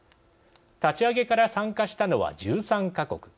立ち上げから参加したのは１３か国。